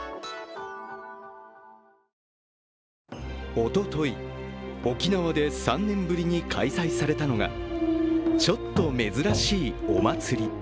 おととい、沖縄で３年ぶりに開催されたのがちょっと珍しいお祭り。